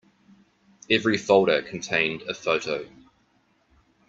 Every folder contained a photo.